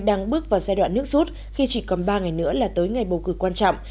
đang bước vào giai đoạn nước rút khi chỉ còn ba ngày nữa là tới ngày bầu cử quan trọng